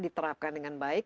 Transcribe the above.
diterapkan dengan baik